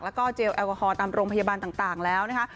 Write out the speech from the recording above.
แล้วก็เจลแอลกอฮอล์ตามโรงพยาบาลต่างแล้วนะคะ